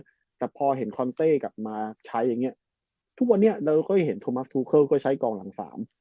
แต่พอเห็นคอนเต้กลับมาใช้อย่างเงี้ยทุกวันนี้เราก็เห็นโทมัสทูเคิลก็ใช้กองหลังสาม